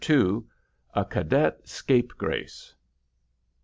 A CADET SCAPEGRACE.